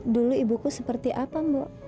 dulu ibuku seperti apa mbak